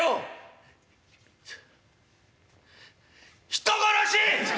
人殺し！」。